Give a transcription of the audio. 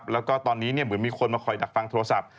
แล้วก็ตอนนี้เหมือนมีคนมาคอยดักฟังโทรศัพท์